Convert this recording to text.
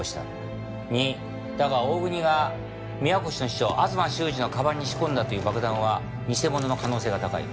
だが大國が宮越の秘書東修二の鞄に仕込んだという爆弾は偽物の可能性が高い。